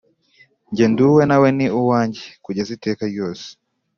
Njye nduwe nawe ni uwanjye kugeza iteka ryose